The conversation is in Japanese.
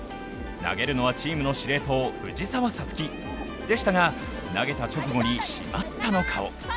投げるのはチームの司令塔・藤澤五月でしたが、投げた直後に「しまった」の顔。